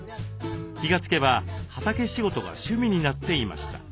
気が付けば畑仕事が趣味になっていました。